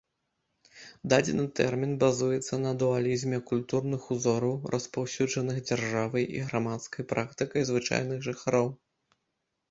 Дадзены тэрмін базуецца на дуалізме культурных узораў распаўсюджаных дзяржавай і грамадскай практыкай звычайных жыхароў.